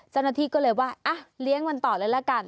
เจ้าหน้าที่ก็เลยว่าเลี้ยงมันต่อเลยละกัน